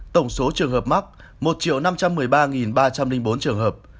tổng số trường hợp mắc một năm trăm một mươi ba ba trăm linh bốn trường hợp